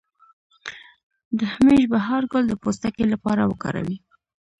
د همیش بهار ګل د پوستکي لپاره وکاروئ